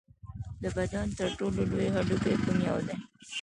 د بدن تر ټولو لوی هډوکی کوم یو دی